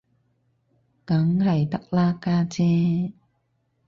梗係得啦，家姐